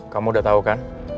kamu udah tahu kan